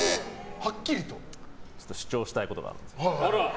主張したことがあるんですよ。